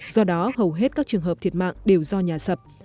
do đó hầu hết các trường hợp thiệt mạng đều do nhà sập